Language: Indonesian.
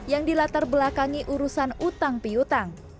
yang dilatar belakangi urusan utang piutang